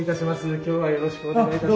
今日はよろしくお願いいたします。